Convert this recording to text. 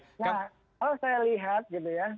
nah kalau saya lihat gitu ya